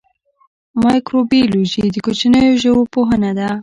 مایکروبیولوژي د کوچنیو ژویو پوهنه ده